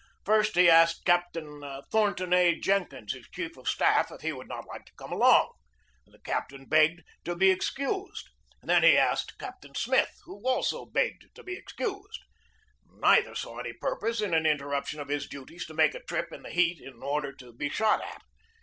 First he asked Captain Thornton A. Jen kins, his chief of staff, if he would not like to come along. The captain begged to be excused. Then he asked Captain Smith, who also begged to be ex cused. Neither saw any purpose in an interruption of his duties to make a trip in the heat in order to be shot at.